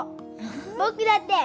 僕だって！